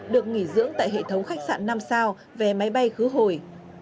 được nghỉ dưỡng tại hệ thống khách sạn năm sao về máy bay khứ hồi